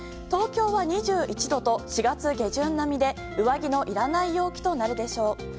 東京は２１度と４月下旬並みで上着のいらない陽気となるでしょう。